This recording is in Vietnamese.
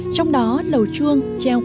trong đó lầu chuông treo ngang